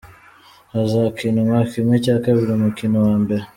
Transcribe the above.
Hazakinwa kimwe cya kabiri umukino wa mbere.